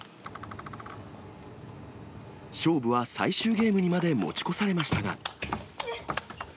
勝負は最終ゲームにまで持ち越されましたが。